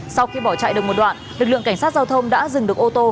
sau khi bỏ chạy được một đoạn lực lượng cảnh sát giao thông đã dừng được ô tô